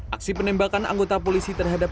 aksi penembakan anggota polisi terhadap